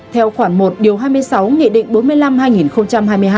theo khoản một điều hai mươi sáu nghị định bốn mươi năm hai nghìn hai mươi hai